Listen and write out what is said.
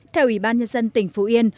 theo ủy ban nhân dân tỉnh phú yên